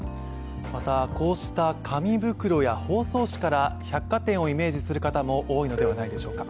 また、こうした紙袋や包装紙から百貨店をイメージする方も多いのではないでしょうか。